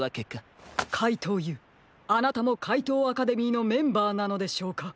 かいとうＵあなたもかいとうアカデミーのメンバーなのでしょうか？